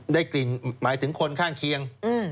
ได้กลิ่นหมายถึงคนข้างเคียง